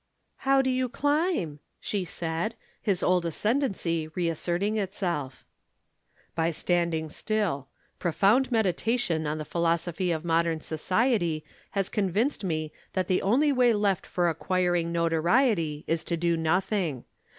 "How do you climb?" she said, his old ascendency reasserting itself. "By standing still. Profound meditation on the philosophy of modern society has convinced me that the only way left for acquiring notoriety is to do nothing.